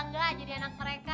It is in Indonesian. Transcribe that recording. karena gue bisa jadi anak mereka